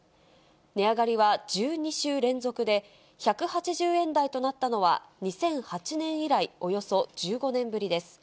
値上がりは１２週連続で、１８０円台となったのは、２００８年以来、およそ１５年ぶりです。